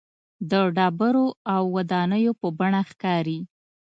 د ډبرو او ودانیو په بڼه ښکاري.